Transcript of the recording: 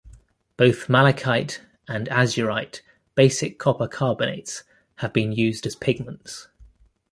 Both malachite and azurite basic copper carbonates have been used as pigments.